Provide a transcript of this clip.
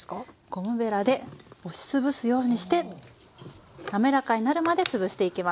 ゴムべらで押し潰すようにして滑らかになるまで潰していきます。